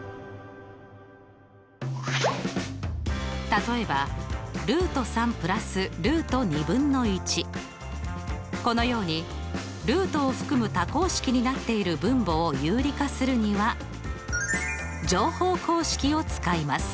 例えばこのようにルートを含む多項式になっている分母を有理化するには乗法公式を使います。